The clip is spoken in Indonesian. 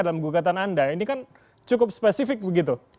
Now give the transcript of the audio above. dalam gugatan anda ini kan cukup spesifik begitu